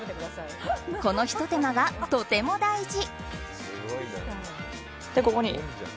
このひと手間がとても大事。